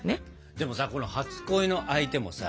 でもさこの初恋の相手もさ